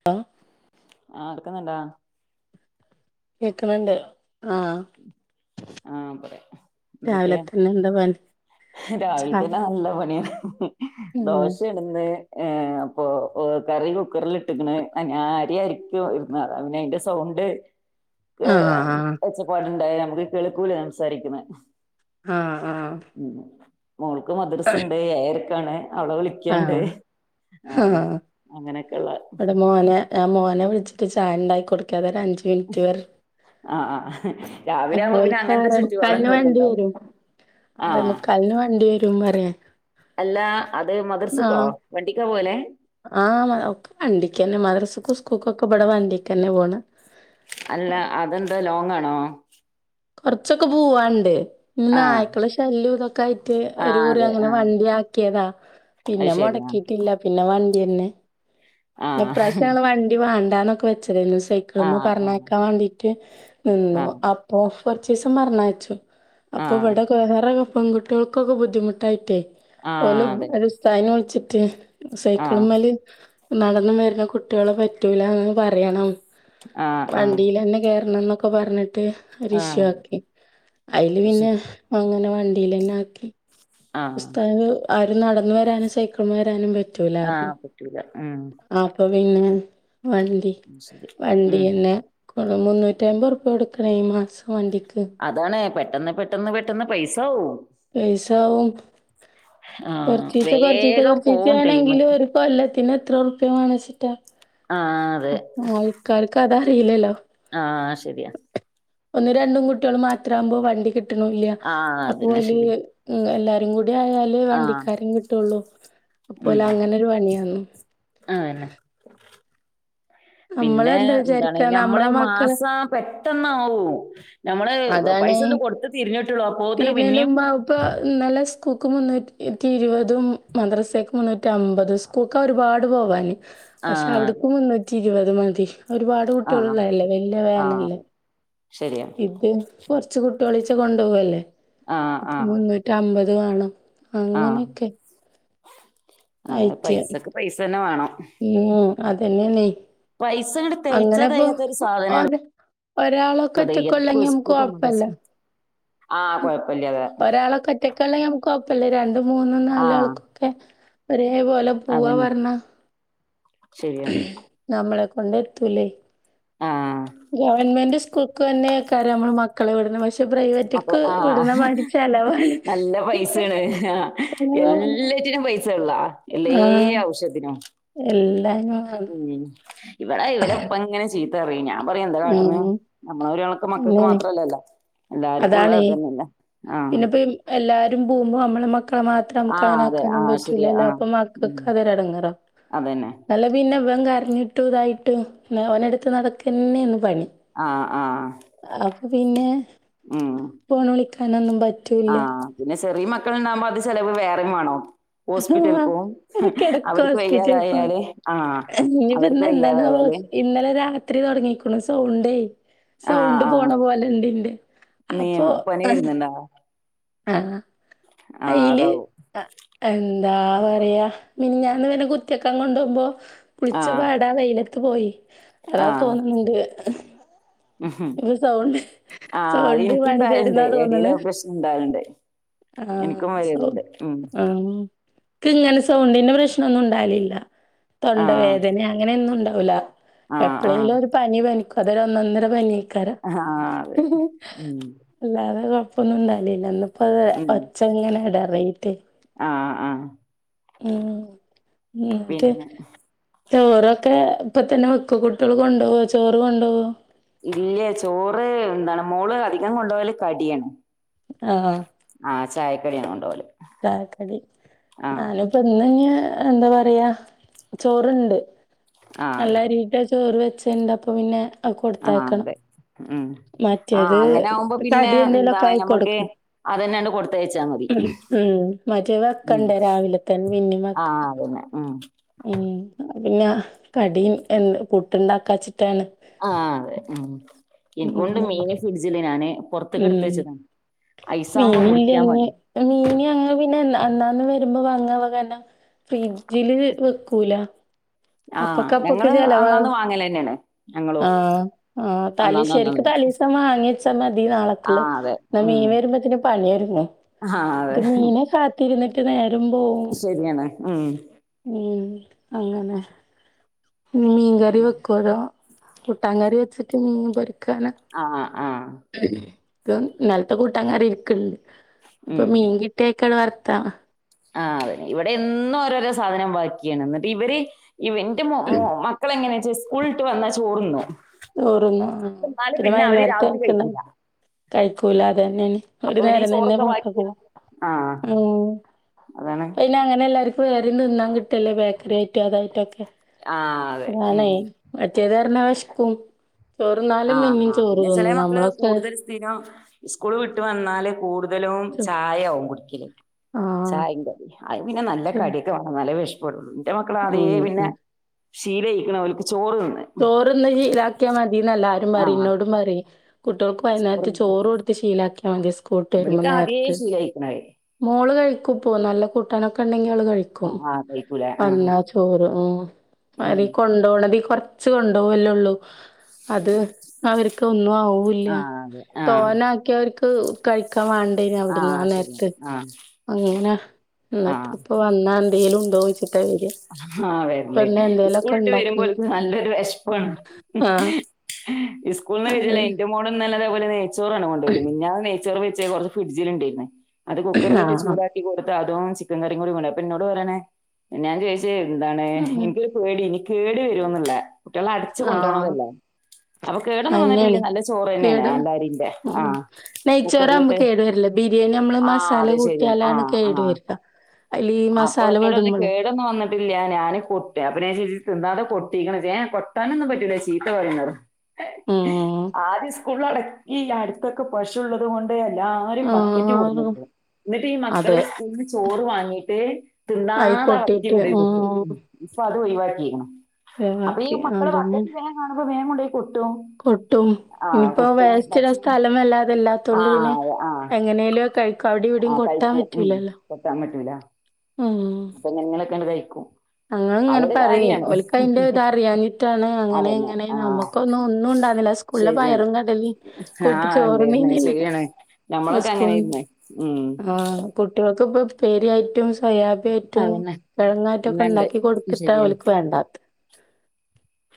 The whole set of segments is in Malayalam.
[unintelligible] ആഹ് എടുക്കുന? കേൾക്കുണണ്ട് ആഹ്. ആഹ് പറ എന്തൊക്കെ. രാവിലെ തന്നെ എന്താ പണി രാവില ചായ തന്നെ നല്ല പണിയ ദോശ. ന്ന് അപ്പോ കറി കുക്കറിൽ ഇട്ടകണ് അരിയാരകാൻ പിന്നെ അതിന്റെ സൗണ്ട്. [unintelligible] ഏ ആഹ് ഒച്ചപ്പാട്ണ്ടായ നമുക്ക് കിളക്കൂല് സംസാരിക്കുന്ന്. ആഹ് ആഹ്. ഉം മോൾക്ക് മദ്രസുണ്ട് ഏയരക്കാണ് അവളെ വിളിക്ക കണ്ട് ആഹ് ആ ആഹ് അങ്ങനെയൊക്കെയള്ള. ഇവിടെ മോനെ എഹ് മോനെ വിളിച്ചിട്ട് ചായ ഉണ്ടായികൊടുക്കാതെ ഒരു അഞ്ച്മിനിറ്റ് വരെ. ആഹ് ആഹ് രാവിലെ ആവുമ്പോ പിന്നെ ഓൽക്ക് അങ്ങനത്തെ ആറേ ച്ചുറ്റുപാടങ്ങളൊക്കെ ഉണ്ടാവും. ആ ആറെ മുക്കാലിന് വണ്ടി വരും പറേ. അല്ല അത് മദർസുക്കോ വണ്ടിക്കാ പോലെ? ആഹ് ഒക്ക വണ്ടിക്ക് തന്നെ മദ്രസക്കു സ്കൂക്കും ഒക്കെ ഇവട വണ്ടിക്കന്നെ പോണ്. അല്ല അതെന്താ ലോങ്ങാണോ? കൊറച്ചൊക്കെ പോവാണ്ട്. ഇ ആഹ് നായ്ക്കള ശല്യം ഇതൊക്കെ ആയിട്ട് ഒരു ആഹ് കൂറി അതെ അങ്ങനെ വണ്ടി ആക്കിയതാ. അത് പിന്നെ ശരിയാണ് മുടക്കിയിട്ടില്ല. പിന്നെ വണ്ടി തന്നെ ആഹ് പ്രവശ്യങ്ങള് വണ്ടി വേണ്ടാനൊക്കെ വെച്ചതരുന്നു സെയ് ക്കിൾ മ ആഹ് പറഞ്ഞയക്കാൻ വേണ്ടിട്ട് നിന്നു ആഹ് അപ്പൊ കൊറച്ച ദിവസം പറഞ്ഞയച്ചു. ആഹ് അപ്പൊ ആഹ് ഇവിടറെ പെൺകുട്ടികൾക്കൊക്കെ ബുദ്ധിമുട്ടായിട്ടേ ഓല ആഹ് അതെ പെര സ് സായന വിളിച്ചിട്ട് ആഹ് സൈക്കിളമാല്. നടന്ന് വരുന്ന കുട്ടികളെ പറ്റൂല അങ് പറയണം. ആഹ് ആഹ് വണ്ടിൽന്നെ കറണം എന്നൊക്കെ പറഞ്ഞിട്ട്. ഒരു ആഹ് ഇഷ്യൂ അതെ ആക്കി അതില് അത് പിന്നെ ശരി അങ്ങനെ വണ്ടിൽന്നെ ആക്കി. ആഹ് ഉസ്താദ്ന് ആര് നടന്ന വരാനും സൈക്കമ വരാനും പറ്റു ആഹ് പറ്റൂല ആഹ്. അപ്പൊ പിന്നെ വണ്ടി അത് ശരി ഉം വണ്ടിന്നെ. കു മുന്നൂറ്റി അമ്പത് രൂപ എടുക്കണേ ഈ മാസം വണ്ടിക്ക്. അതാണ്പെട്ടെന്ന് പെട്ടെന്ന് പെട്ടെന്ന് പൈസവും പൈസവും ആഹ് കൊറച്ചീച്ചാ കൊറച്ചീച്ചാ വേഗം കൊറച്ചീച്ചാ പോവും ടൈമ് ആണെങ്കിലും ഒരു കൊല്ലത്തിന് എത്രഉർപ്പവേണന്നെചീട്ടാ ആഹ് അതെ ആൾക്കാർക്ക് അതറിയില്ലല്ലോ? ആഹ് ശരിയാ ഒന്നും രണ്ടും കുട്ടികൾ മാത്രമാകുമ്പോ വണ്ടി കിട്ട്ണ്ല്ല ആഹ് അതന്നെ അപ്പോഒല് ശരിയാ എല്ലാരും കൂടി ആയാല് ആഹ് വണ്ടിക്കാരും കിട്ടുള്ളൂ അപ്പോലങ്ങനെ ഒരു പണിയാന്നു. ആ പിന്നെ നമ്മളെന്താ എന്താണ് വിചാരിക്കാ നമ്മള് നമ്മളെ മക്കള് മാസം. പെട്ടെന്നാവും നമ്മള് പൈസ ഒന്ന് കൊടുത്ത് തിരിഞ്ഞിട്ടുള്ളൂ അപ്പോ. തീർന്നേൻ മുമ്പാവും. ഇപ്പ ഇന്നലെ സ്കൂക്ക് മുന്നൂറ്റിറ ഇരുപതും മദ്രസക്ക് മുന്നൂറ്റി അമ്പതും സ്. സ്കൂൾക്കാ ഒരുപാട് പോവാന് പക്ഷെ ആഹ് അവിട്ക്ക് അതെ മുന്നൂറ്റി ഇരുപത് മതി ഒരുപാട് പത്തു ആഹ് കുട്ടികളുള്ളല്ലേ വലിയ ആഹ് വേനല്ലേ അതെ ശരിയാണ്. ഇത് കൊറച്ച് കുട്ടികളിച്ച കൊണ്ടുപോവല്ലേ ആഹ് അപ്പൊ ആഹ് മുന്നൂറ്റി അമ്പത് വേണം അങ്ങനെയൊക്കെ അതായ ആയിട്ട് പൈസക്ക് പൈസ തന്നെ വേണം ഉം അതന്നെയന്ന് പൈസങ്ങട്ട് തെകച്ചാ അങ്ങനെ ഇപ്പൊ തെകയാത്തൊരു ഒര് സാധനാള്ളത് ഒരാളൊക്കെ എത്ര ഒറ്റക്കൊളെന്ങ്കിൽ നമുക്ക് സ്കൂൾക്കും കുഴപ്പല്ല മദ്രസ്ക്കും ആഹ് കൊഴപ്പല്ല്യാതെ ഒരാളൊ ഒറ്റക്കൊള്ളക്കിൽ നമുക്ക് കൊഴപ്പല്ല രണ്ടും മൂന്നും നാലും ആഹ് ആൾക്കൊ ക്കെ ഒരേ പോലെ പോവാ അതന്നെ പറഞ്ഞാ ശരിയാണ് നമ്മളെ കൊണ്ട് എത്ത്ല്ലേ? ആഹ് ഗവൺമെന്റ് സ്കൂ ക്കെ നമ്മളെ മക്കളെ ഇവിടെന്ന് വശി മക്കളെ ആഹ് ചെലവാണ് നല്ല പൈസാണ് ആഹ് ചെലവാണ് എല്ലാറ്റിനും പൈസ ഉള്ള എല്ലേ ആഔശ്യത്തിനും എല്ലാ [unintelligible] ഉം ഇവിടെ ഇവരെഇപ്പ ഇങ്ങനെ ചീത്ത തെറി ഞാ പറയു എന്താ കാട്ട്ന്ന് ഉം നമ്മള ഒരാൾക്ക് മക്കക്ക് അങ്ങനെയാണ് മാത്രല്ലല്ല എല്ലാര്ക്കുള്ള അതാണേ ത് ന്നെല്ലെ ആഹ്.. പിന്നെപ്പ എല്ലാരും പോമ്പോ അമ്മളെ മക്കളെ മാ ക ആഹ് അതെ മക്കണാക്കാനും ആഹ് ശരിയാ പറ്റൂലല്ലോ ആഹ് അപ്പൊ മക്കക്ക് ഉം അത് ഒരെടങ്ങേറാ. അതന്നെ നലെ പിന്നെ വം കരഞ്ഞിട്ടു ഇതായിട്ട് ന്നലെ ഓനെട്ത്ത് നടക്കന്നെന്ന് പണി. ആഹ് ആഹ് അപ്പൊ പിന്നെ.. ഉം ഫോൺ വിളിക്കാനൊന്നും പറ്റൂല്ല ആഹ് പിന്നെ ചെറിയ മക്കള്ണ്ടാവുമ്പോ അത് ചെലവ് വേറെം വാണോ. ആഹ് ഹോസ്പിറ്റൽക് വും എട കെടക്കാ അവർക്ക് ഹോസ്പിറ്റലിക്കോണ് വയ്യാതായാല് ആ ഇനിയിപ്പ അവർക്ക് ഇന്ന് എന്താണാവോ വയ്യാതായാല് ഇന്നലെ രാത്രി തൊടങ്ങിക്ക്ണ് സൗണ്ടേ. ആഹ് സൗണ്ട് പോണ ആഹ് പോല ണ്ട് ന്റെ നീ അപ്പൊ പനി വരുന്നുണ്ടോ ആഹ ആഹ് അയില് അതാവും അ എന്താ പറയാ മിനിഞ്ഞാന്ന് വന് കുത്തിവെക്കാ കൊണ്ടോമ്പോ കുളിച്ച പാ ടാ വെയിലത്ത് പോയി അതാ തോന്നുന്നുണ്ട്. മ് ഹ് ആ സൗണ്ട് പണി എനിക്കുണ്ടാൽണ്ട് തരുന്നാ എടീല് പ്രശ്നം ണ്ടാവൽണ്ട്. ആആ ഹ്.. ക്ക് ങ്ങനെ സൗണ്ടിന്റെ പ്രശ്നോന്നും ഉണ്ടാകലില്ല തൊണ്ട ആഹ് വേദന അങ്ങനെന്നും ണ്ടാവൂല. ആഹ് ആഹ് എപ്പഴെലും ഒരു പനി പനിക്കും അതൊ ഒന്നൊന്നര പനി കാര ആഹ് അതെ ഉം ല്ലാതെ കൊയപ്പൊന്നുണ്ടാലി ല്ല ഇന്ന് പ്പൊ ഉം ഒച്ച ങ്ങനെടറീട്ടെ ആഹ് ആഹ് [inaudible] പിന്നെ ചോറൊക്കെ ഇപ്പ തന്നെ വെക്കു കുട്ടിള് കൊണ്ടോവോ ചോറ് കൊണ്ടുപോ ഇല്ല ചോറ് എന്താണ് മോള് അധികം കൊണ്ടവല് കടിയാ. ആഹ്. ആഹ് ചായക്കടിയ കൊണ്ടോവല്. ചായക്കടി ആഹ് നാലു ഇപ്പ ഇന്ന്ഞ്ഞ് എന്താ പറയാ ചോറ്ണ്ട് ആഹ് നല്ല രീന്റെ ചോറ് വെച്ച്ണ്ട് അപ്പോ പിന്നെ അത് ആ കൊടുത്തയക്കണം. അതെ ഉം. ആഹ മറ്റേത് അങ്ങനെ ആവുമ്പോ പിന്നെ കടി എന്തേലൊക്കെ എന്താണ് ആയി ഞമ്മക്ക് കൊടുക്കണം. അതന്നാണ്ട് കൊടുത്തയച്ചാ മതി. ഉം മറ്റേ ഉ വെക്കണ്ടേ രാവിലെ തന്നെ പിന്നിം വെക്ക ആഹ ആ അതന്നെ ഉം.. ഉം പിന്നെ കടിയും എന്ത് പുട്ട്ണ്ടാക്കാച്ചിട്ടാണ്. ആ അതെ മ് ഇനിക്കൂണ്ട് മീന് ഫ്രിഡ്ജില് ഞാന് ഉം പൊർത്ത്കെട്തെച്ച് ക്ണ് ഐസാപോ മുറിക്കാ മടി. മീനി അങ്ങ് പിന്നെ അന്നാന്ന് വരുമ്പോ വാങ്ങ [unintelligible] ഫ്രിഡ്ജില് വെക്കൂല? ആ അപ്പൊക്കെ അപ്പക്കെ ഞങ്ങള് ചെലവാകും അന്നാന്ന് വാങ്ങലെന്നെയാണ് ഞങ്ങളോ ആഹ ആ തലി അന്നാന്ന് ശെരിക് അന്നാന്ന് തലി പ്പൊ മാങ്ങിച്ച മതി നാളെ ആ ക്ക്ള്ളെ അതെ ന്ന മീ ഉം വെരുമ്പതിനെ പണിര്ന്നു ആ അതെ മീന് കാ തിരുന്നിട്ട് നേരംമ്പോവു. ശരിയാണ് ഉം.. ഉം അങ്ങനെ. മീൻ കറി വെകോലോ കൂട്ടാകറി വെച്ചിട്ട് മീൻ പൊരിക്കാന.? ആഹ് ആ.. മ് ക് നൽത്തെ കൂട്ടാകറി ഇരിക്ണ്ട് ഇപ്പൊ ഉം മീൻകിട്ടിയക്കട് വർക്കാ ആ അതെ ഇവിടെ എന്നും ഓരോരോ സാധനം ബാക്കിയാണ് ന്നിട്ട് ഇവര് ഇവ ഇന്റെ മൊ മൊ മ ക്കളെ എങ്ങനെ ചാ സ്കൂൾട്ട് വന്നാ ചോർന്നു. ചോറുന്നു ആ പിന്നെ വൈന്നേരത്തെ രാത്രി ക്ന്നത് കഴിക്കൂല കഴിക്കൂല അത് ന്നെണ്. ഒരു അപ്പൊ പിന്നെ ഈ നേരം തന്നെ ചോറൊക്കെ മക്കകോ വു ബാക്കിയാണ് ആ മ് അതാണ് പിന്നെ ങ്ങനെ എല്ലാര്ക്കു വെറി തിന്നാ കിട്ടല്ലേ ബേക്കറി ആയിറ്റും അതായിറ്റൊക്കെ. ആഹ ആണേ മറ്റേത് എന്ന് പറഞ്ഞ വിശിക്കും ചോറ് തിന്നാലും പിന്നേം ചോറ് തിന്നും നമ്മളൊക്കെ പിനൊ ഉസ്കൂള് വിട്ട് വന്നാല് കൂടുതലും ചായാവും കുടിക്കല്. ആഹ് ചായിം കടിം അയിന് പിന്നെ നല്ല ചോ കടി ഒക്കെ വേണം. ആ നല്ല വിഷപ്പെടുള്ളൂ, ഇന്റെ മക്കള ഉം ആദ്യേ പിന്നെ ഉം ശീലയിക്ക്ണ് അവൽക്ക് ചോറ് തിന്ന് ചോറ് തിന്ന് ശീലാക്കിയാ മതിന്ന് എല്ലാരും പറിം. ആഹ് ഇന്നോടും പറിം. കുട്ടിയോൾക്ക് വൈന്നേരത്ത് ചോറ് കൊടുത്ത് ശീലക്കിയാ മതി സ്കൂൾ വിട്ട് വരുമ്പോ ഇബൽക്ക് ആദ്യേ നേരത്തെ. ശീലായിക്ക്ണത് മോള് കഴിക്കുപ്പൊ നല്ല കൂട്ടാനൊക്കെ ഉണ്ടെങ്കി അവള് കഴി ക്കും ആഹ് ആഹ് കഴിക്കൂലേ അല്ല ആഹ് ചോറ് ആ. ഉം അതി കൊണ്ടോണതി കൊ- ച്ച് കൊണ്ടോകല്ലെള്ളൂ, അത് അവർക്ക് ഒന്നും ആവൂ ല്ല. ആഹ് അതെ ആഹ് തോനെ ക്ക്യാ അവർക്ക് കഴിക്കാൻ വേണ്ടാനു അവിടുന്ന് ആ ആഹ് നേരത്ത്. ശരിയാണ് ആഹ് അങ്ങനെ- ഇന്നട്ട് ആഹ് പ്പൊ വന്നാ എന്തേലും ഉണ്ടോയ്ച് ആഹ്‌ വരല്. എന്തേലൊക്കെ ഉസ്കൂൾട്ട് വരുമ്പോ ഇണ്ടാക്കണം. ഓൽക്ക് നല്ലൊരു വെശപ്പാണ്. ആഹ് ഇസ്കൂൾന്ന് അത് വരില്ലെ, ഇന്റെ മോള് ഇന്നലെ അതെ പോലെ നേ ചോറ് ആണ് കൊണോയത്, മിഞ്ഞാന്ന് നെയ്ച്ചോറ് വെച്ച് കുറച്ച് ഫ്രിഡ്ജിൽ ഉണ്ടേര്ന്ന്, അത് കുക്കറിലി്ട്ട് ആഹ് ചൂടാ ക്കി കൊട്ത്ത്. അതോൺ ചിക്കൻ കറിം കൂടി കൊണ്ടോയി. അപ്പം ഇന്നോട് പറിയാണ്. ഞാൻ ചോയിച്ച് എന്താണ് ഇൻക്ക് ക് പേടിയേനി ഇനി കേടെരോ ന്ന്‌ള്ള. കുട്ടിയള് അടച്ച് ആഹ് കൊണ്ടോണതല്ലേ. അപ്പൊ കേടൊന്നും വന്നിട്ടില്ല, അതെന്നേണ് നല്ല ചോറ് തന്നെ ആണ് കേട് നല്ലരിന്റെ. ഉം ആഹ് നെയ്ച്ചോറാവുമ്പോ കുക്കറിലിട്ട് കേട് വരില്ല. ബിരിയാണി നമ്മള് ആഹ് മസാല അത് ശരി ആണ്, ആ കൂട്ടിയാലാണ് ആ. കേട് വരിക. അയ്ല് ഈ അപ്പൊ മസാല എന്നോടറഞ്ഞ് പെടുമ്പള് കേ ടൊന്നു വന്നിട്ടില്ല ഞാന് കൊട്ടി അപ്പ [unintelligible] തിന്നാതെ കൊട്ടിക്ണോയ്‌ച്. ഏ എ കൊട്ടാനൊന്നും പറ്റൂല ചീത്ത പറിംന്ന് പറഞ് ഉം ആദ്യം സ്കൂളടക്കി അടുത്തൊക്കെ പശു ഉള്ളത് കൊണ്ട് ത് എല്ലാരും ബക്കറ്റ് കൊടന്ന് ആഹ് വക്കും. ഇന്നിട്ട് ഈ മക്കള് അതെ സ്കൂളീന്ന് ചോറ് വാങ്ങിട്ട ട്ട് അയി തിന്നാത ആ ബക്കറ്റി കൊട്ടിട്ട് കൊണ്ടോയി കൊട്ടും. ഉം ഇപ്പൊ അതും ഒഴിവാക്കിക്ക്ണു അപ്പള് ഈ വേവാക്കി മക്കള് അതന്നെ ബക്കറ്റ് വേം കാണുമ്പം വേം കൊണ്ടയി കൊട്ടും. കൊട്ടും, ആ ഇനിയിപ്പോ കൊട്ടും വേസ്റ്റിടാൻ ഭക്ഷണം സ്ഥലം ആ വല്ലാതില്ലാത്തൊണ്ട് പിന്നെ അതെ ആ എങ്ങനേലും കഴി ക്ക അവിടം ഇവിടിം ആ കൊട്ടാൻ കഴിക്കും ഉം പറ്റൂലല്ലോ. ഉം അങ്ങനിങ്ങനൊക്കെണ്ട് കഴിക്കും. അങ്ങള് ഇങ്ങനെ അതൊരു പറയുയ്. കാര്യാണ് ഓൽക്ക് അയിന്റെ ഇത അറിയാഞ്ഞിട്ടാണ് അങ്ങനെ അതന്നെ ഇങ്ങനെ ആഹ് നമ്മുക്കൊന്നും ഒന്നും ഉണ്ടാരുന്നില്ല സ് ക്കുളള, ശരിയാണ് പയറും കടലിം കൂട്ടി ആഹ് ഉണ്ടായിരുന്നേ ചോർന്നീനീന്ന് ശരിയാണ് ഞമ്മളൊക്കെ ഉസ്കൂ അങ്ങനെയായിരുന്നേ ഉം കുട്ടിയൾക്ക്പ്പൊ ഉപ്പേരിയായിട്ടും, സോയാബി ആയിട്ടും അതന്നെ കഴങ്ങായിറ്റൊ ക്കെ ഇല്ലണ്ട് ഉണ്ടാക്കി കൊടുത്തിട്ടാ ശരിയാണ് ഓൽക്ക് വേണ്ടാത്ത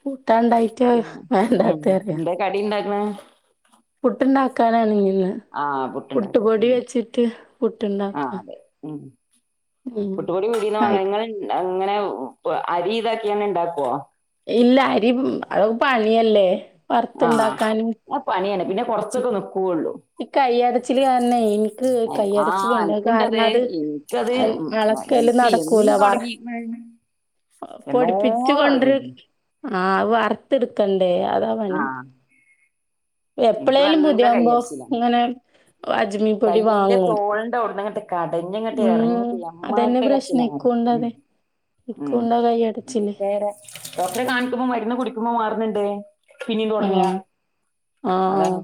കൂട്ടാണ്ടായിട്ട പിന്നെ ഉം വേണ്ടാത്ത അറിയ എന്താ കടി ഉണ്ടാക്ക്ണ്. പുട്ടുണ്ടാക്കാനാണെങ്കില് ആഹ് പുട്ട് പുട്ടുണ്ടാക്കാ പൊടി വെച്ചിട്ട് പുട്ട് ആഹ് ഉണ്ടാക്കാം. അതെ ഉം പുട്ടുപൊടി പീടീന്ന് വാങ്ങല. ആയി ഇങ്ങള ഇങ്ങനെ അരി ഇതാക്കിയാണ്ട് ഇണ്ടാക്കോ? ഇല്ല അരി അതൊക്കെ പണിയല്ലേ വറുത്തുണ്ടാക്കാനും ത്തക്കോ നിക്കോള്ളൂ. ഈ കയ്യടച്ചില് കാരണേ എനിക്ക് കയ്യടച്ചില് ആഹ് ഇണ്ട്. അത് എനിക്കുണ്ടത് കാരണം അത് എനിക്കത് അള ക്കല് എനിക്ക് നടക്കൂല എന്ന് വറെ തൊടങ്ങീക്കണ് എന്നോ പൊടിപ്പിച്ച് കൊണ്ട്‌ര് തൊടങ്ങീക്കണ് ആഹ്, വറുത്ത്ട്ക്കണ്ടേ. അതാ പണി ആഹ് എനിക്ക് എപ്പളേലും നല്ല പൂതിയവുമ്പോ കയ്യടിച്ചിലാ ഇങ്ങനെ അജ്മിപ്പൊടി കയ്യിന്റെ വാങ്ങും. തോളിന്റെ അവിടുന്ന് അങ്ങട്ട് കടഞ്ഞങ്ങട്ട് ഉം ഇറങ്ങിട്ട് അതന്നെ എമ്മാരിത്തെ പ്രശ്നെ കരച്ചിലാണ് ഉം ക്കൂൾന്റവിടെ. ഉം ഇട്ക്കൂളിന്റെ അവടെ ഈ എടച്ചിണ്ടെ വേറെ ഡോക്ടറെ കാണിക്കുമ്പോ മരുന്ന് കുടിക്കുമ്പോ മാറ്ണ്‌ണ്ട്. പിന്നിം തൊടങ്ങാ ആഹ് ആഹ്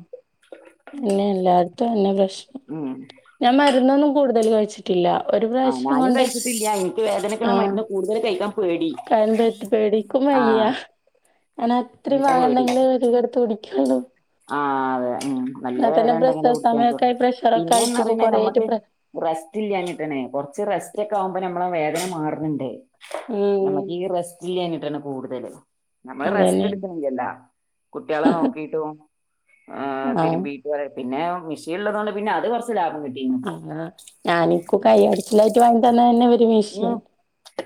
പിന്നെ എല്ലാര്തും അതന്നെ പ്രശ്നം [unintelligible] ഞാൻ മര്ന്നോന്നും കൂടുതല് കഴിച്ച് ട്ടില്ലാ. ഒര് ആ പ്രാവശ്യം ഞാനും കൊണ്ട് കഴിച്ചിട്ടില്ല എനിക്ക് വേദനക്കുള്ള ആഹ് മരുന്ന് കൂടുതൽ കഴിക്കാൻ പേടി [unintelligible] പേടി ക്കും ആഹ് വയ്യ. അന് എത്രം എനിക്ക് [unintelligible] ണ്ടെങ്കിലേ [unintelligible] ക എടുത്ത് കുടിക്ക്യാള്ളൂ ആഹ് അതെ ഉം നല്ല വേദന ഒണ്ടാങ്കില്ലോ പ്രസവ സമയൊക്കെ [unintelligible] ആയി പ്രഷറൊക്കെ പിന്നെ ആയിട്ട് ഇപ്പൊ ന്നറിഞ്ഞ കൊറേയായിട്ട് നമ്മക്ക് പ്ര റെസ്റ്റ് ഇല്ലാഞ്ട്ടണെ കൊറച്ച് റെസ്റ്റ് ഒക്കെ ആവ്മ്പോ ഞമ്മളേ വേദന മാറ്ന്ന്ണ്ടേ. ഉം നമ്മക്ക് ഈ റെസ്റ്റ് ഇല്ലാഞ്ഞിട്ടാണ് കൂടുതല്. നമ്മള് റെസ്റ്റ് അതന്നെ. എടുക്കണില്ലല്ല. കുട്ടികളെ നോക്കിട്ടും ആഹ് തിരുമ്പിട്ട് പിന്നെ മിഷീൻ ഇള്ളതോണ്ട് പിന്നെ അത് കൊറച്ച് ലാഭം കിട്ട് ആഹ് ഞാനും കുക്കായും അടിച്ചിലായിട്ട് വാങ്ങി തന്നത് തന്നെ വി ഉം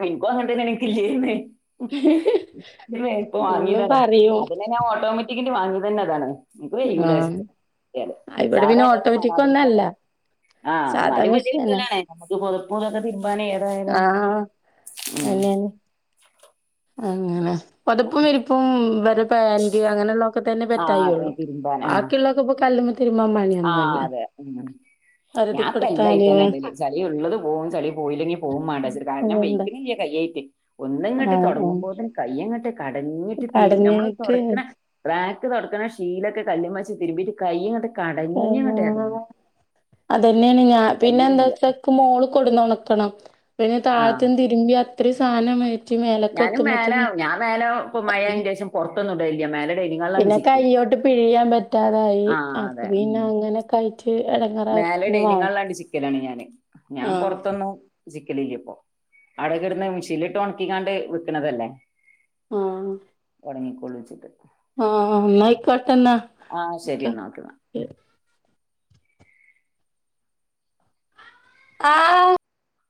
എനക്കും അങ്ങനെ തന്നെണ് എനിക്ക് എല്ല്നേ [unintelligible] ഇപ്പൊ ഇന്നും വാങ്ങിയതാണ് പറയും അതിനെ ഞാൻ ഓട്ടോമാറ്റിക്കന്റെ വാങ്ങിയത് തന്നെ അതാണ്. എനിക്ക് ആഹ് [unintelligible] ഇവിടെ പിന്നെ സാദാ ഓട്ടോമാറ്റിക് വാങ്ങാതിരുന്നത് ഒന്നല്ല അതാ. ആഹ്. സാധാ എന്നാലും വല്യ മെഷീനാ [unintelligible] നമ്മുക്ക് പൊതപ്പൊക്കൊക്കെ തിരുമ്പാനെ ആഹ് അത് തന്നെ. അങ്ങനെ പൊതപ്പും വിരിപ്പും ഇവരുടെ പാന്റി അങ്ങനെയൊള്ള ഇപ്പത്തന്നെ ആഹ് പെറ്റായി അതെ ഒള്ളു. തിരുമ്പാൻ ആഹ് ബാക്കിയോള്ളൊക്കെ ഇപ്പൊ കല്ലുമ്മെ തിര്മാൻ പാ ആഹ് അതെ ഞാൻ ഇപ്പ എല്ലാ കൊടുത്താല് ഇതിലെന്നെ ഇടല്. ചെളി ഉള്ളതും പോകും ചെളി പോയില്ലെങ്കി പോവും മാണ്ടാ വെച്ചിട്ട്. കാരണം അതുകൊണ്ട് [unintelligible] കൈ ആയിട്ട് ഒന്ന് ഇങ്ങട്ട് ആഹ് ആഹ് തൊടങ്ങ്മ്പോത് കയ്യ് ഇങ്ങട്ട് കടഞ്ഞിട്ട് തീരും. നമ്മള് കടഞ്ഞിട്ട് തൊടക്ക്ണ ട്രാക്ക് തൊടക്കണം ശീലക്കെ കല്ല്മ്മേച്ച് തിര്മിട്ട് കയ്യ് ഇങ്ങട് ആഹ് അത് തന്നേണ് ഞാ പിന്നെ എന്താ കയ്യിണില്ല വെച്ചാ മോള് കൊണ്ട്ന്ന് ഒണക്കണം. പിന്നെ ആഹ് താഴത്തന്ന് തിരുമ്പി അത്രേം സാനം മേ ഞാനും മേലെ ഞാൻ മേലെ പൊ മഴയായിന് ശേഷം പൊറത്തൊന്നും ഇടലില്ല മേലെ ഡൈനിങ് ഹാളിലാണ് സി കയ്യോണ്ട് പിഴിയാൻ പറ്റാതായി ആഹ് അപ്പ അതെ പിന്നെ ഉം അങ്ങനെ കയ് റ്റ് എടങ്ങേറായിപ്പ പിന്നെ വാങ്ങിച്ച്. ക്കലാണ് ഞാന്. ഞാൻ പൊറത്തൊന്നു വിരിക്കലില്ലിപ്പൊ. അവടെ കെടന്ന് മിഷീൻലിട്ട് ഒണക്കി ങ്ങാണ്ട് കിട്ടണത് അല്ലേ. ഒണങ്ങിക്കൊള്ളു വെച്ചിട്ട് ആഹ് ആഹ് അന്നായിക്കൊട്ടെ അന്നാ ആഹ് ശെരിന്നാ ഓക്കെന്നാ ആഹ്